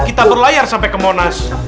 kita berlayar sampai ke monas